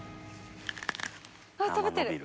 あっ食べてる。